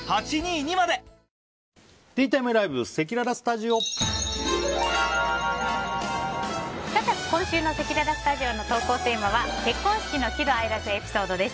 レジカゴサイズで今週のせきららスタジオの投稿テーマは結婚式の喜怒哀楽エピソードです。